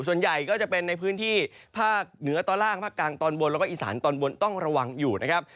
ส่วนใหญ่ก็จะเป็นในพื้นที่ภาคเหนือตอนล่างภาคกลางตอนบนแล้วก็อีสานตอนบนต้องระวังอยู่นะครับ